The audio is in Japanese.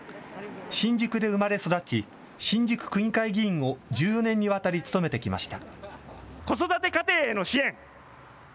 新宿で生まれ育ち、新宿区議会議員を１４年にわたり務めてきました。